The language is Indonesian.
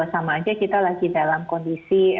sama aja kita lagi dalam kondisi